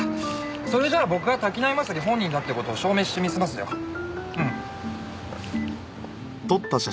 それじゃあ僕が滝浪正輝本人だって事を証明してみせますようん。